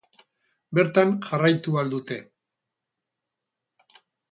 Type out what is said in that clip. Bertan jarraitu ahal dute.